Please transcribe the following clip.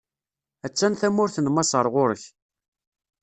A-tt-an tmurt n Maṣer ɣur-k.